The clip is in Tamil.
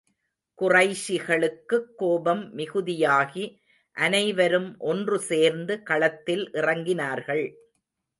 குறைஷிகளுக்குக் கோபம் மிகுதியாகி, அனைவரும் ஒன்று சேர்ந்து களத்தில் இறங்கினார்கள்.